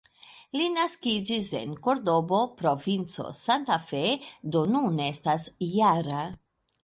Li naskiĝis en Kordobo, provinco Santa Fe, do nun estas -jara.